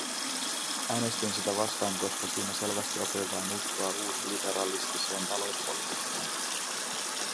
Äänestin sitä vastaan, koska siinä selvästi opetetaan uskoa uusliberalistiseen talouspolitiikkaan.